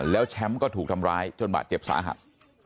แล้วแชมป์ก็ถูกทำร้ายจนบาดเจ็บสาหัส